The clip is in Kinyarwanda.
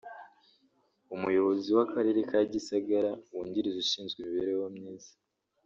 Umuyobozi w’Akarere ka Gisagara wungirije ushinzwe imibereho myiza